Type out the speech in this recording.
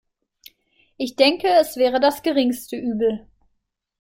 Ich denke, es wäre das geringste Übel.